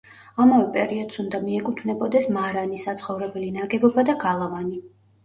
ამავე პერიოდს უნდა მიეკუთვნებოდეს მარანი, საცხოვრებელი ნაგებობა და გალავანი.